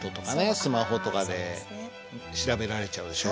スマホとかで調べられちゃうでしょ。